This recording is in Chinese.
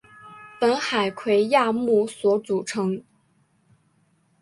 本海葵亚目所组成。